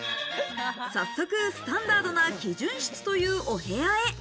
早速スタンダードな基準室というお部屋へ。